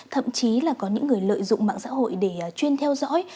thậm chí là có những người lợi dụng mạng xã hội để chuyên theo dõi